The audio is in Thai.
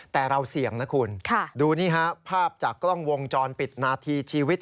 แต่เราเสี่ยงนะคุณดูนี่ฮะภาพจากกล้องวงจรปิดนาทีชีวิต